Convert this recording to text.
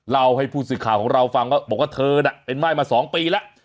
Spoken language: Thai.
เล่าให้ผู้สื่อข่าวของเราฟังว่าบอกว่าเธอน่ะเป็นม่ายมา๒ปีแล้ว